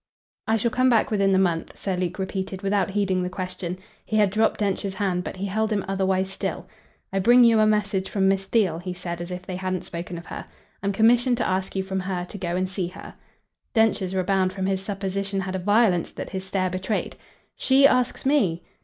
"I shall come back within the month," Sir Luke repeated without heeding the question. He had dropped Densher's hand, but he held him otherwise still. "I bring you a message from Miss Theale," he said as if they hadn't spoken of her. "I'm commissioned to ask you from her to go and see her." Densher's rebound from his supposition had a violence that his stare betrayed. "SHE asks me?"